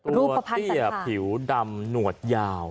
รัวเตี้ยผิวดำหนวดยาว